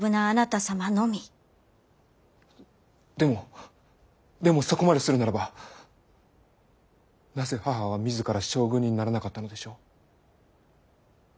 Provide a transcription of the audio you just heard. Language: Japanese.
でもでもそこまでするならばなぜ母は自ら将軍にならなかったのでしょう。